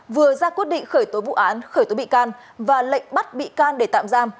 vừa ra quyết định khởi tố vụ án khởi tố bị can và lệnh bắt bị can để tạm giam